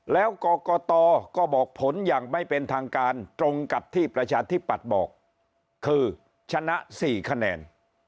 แล้วกรกตก็บอกผลอย่างไม่เป็นทางการตรงกับที่ประชาธิปัตย์บอกคือชนะ๔คะแนน